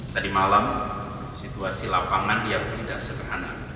tadi malam situasi lapangan yang tidak sederhana